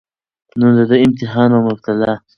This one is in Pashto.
نو د ده امتحان او مبتلاء